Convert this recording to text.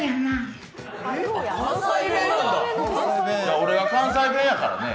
俺が関西弁やからね。